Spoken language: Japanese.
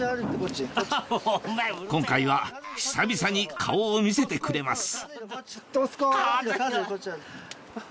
今回は久々に顔を見せてくれます